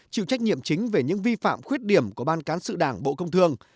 chịu trách nhiệm chính về những vi phạm khuyết điểm của ban cán sự đảng bộ công thương